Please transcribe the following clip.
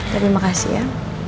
terima kasih ya